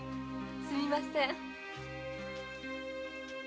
すみません。